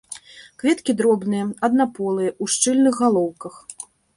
Кветкі дробныя, аднаполыя, у шчыльных галоўках.